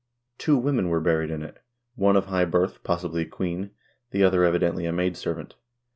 Two women were buried in it ; one of high birth — possibly a queen — the other evidently a maid servant.